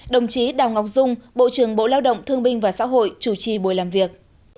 đồng chí đào ngọc dung bộ trưởng bộ lao động thương binh và xã hội chủ trì buổi làm việc